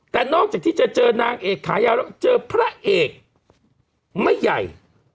แต่นอกจากที่จะเจอนางเอกขายาวแล้วเจอพระเอกไม่ใหญ่